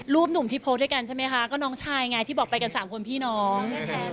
หนุ่มที่โพสต์ด้วยกันใช่ไหมคะก็น้องชายไงที่บอกไปกันสามคนพี่น้อง